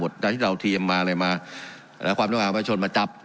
หลังจากที่เราเทรี่ยมมาความทุกอาวัติชนมาจับ